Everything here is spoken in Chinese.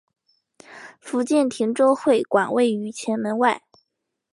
福建汀州会馆位于前门外。